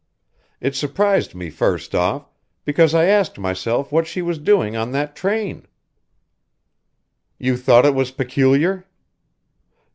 It surprised me first off, because I asked myself what she was doing on that train." "You thought it was peculiar?"